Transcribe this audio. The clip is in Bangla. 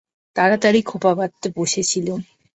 তাড়াতাড়ি খোঁপা বাঁধতে বসেছিলুম!